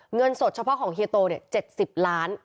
เงินสดเฉพาะของเฮียโต๗๐ล้าน